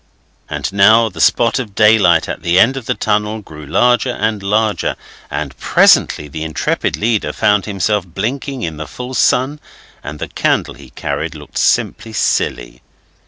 And now the spot of daylight at the end of the tunnel grew larger and larger, and presently the intrepid leader found himself blinking in the full sun, and the candle he carried looked simply silly.